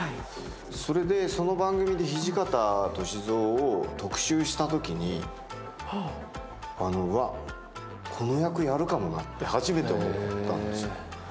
それでその番組で土方歳三を特殊したときにわ、この役やるかもなって初めて思ったんですよ。